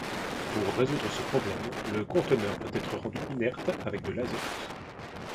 Pour résoudre ce problème le conteneur doit être rendu inerte avec de l'azote.